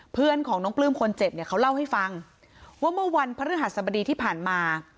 เพื่อนของน้องปลื้มคนเจ็บเนี่ยเขาเล่าให้ฟังว่าเมื่อวันพระฤหัสบดีที่ผ่านมา